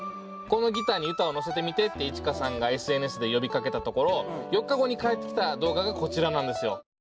「このギターに歌をのせてみて」ってＩｃｈｉｋａさんがＳＮＳで呼びかけたところ４日後に返ってきた動画がこちらなんですよ。